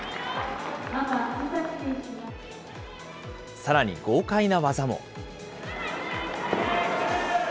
さらに豪快な技も。